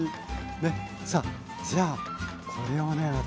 じゃあこれをね私。